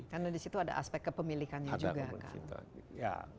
karena di situ ada aspek kepemilikannya juga